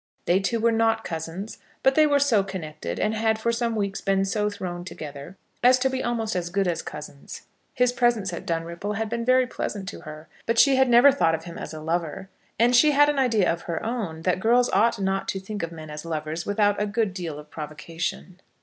They two were not cousins, but they were so connected, and had for some weeks been so thrown together, as to be almost as good as cousins. His presence at Dunripple had been very pleasant to her, but she had never thought of him as a lover. And she had an idea of her own, that girls ought not to think of men as lovers without a good deal of provocation.